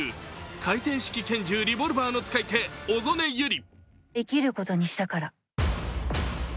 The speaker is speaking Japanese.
回転式拳銃リボルバーの使い手、小曾根百合。